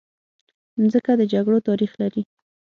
مځکه د جګړو تاریخ لري.